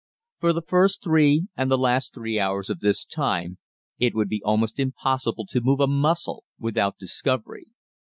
For the first three and the last three hours of this time it would be almost impossible to move a muscle without discovery.